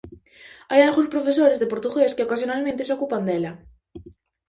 Hai algúns profesores de portugués que ocasionalmente se ocupan dela.